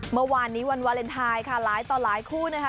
เมื่อวานนี้วันวาเลนไทยค่ะหลายต่อหลายคู่นะคะ